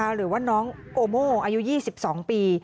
หรือว่าน้องโกโมอายุ๒๒ปี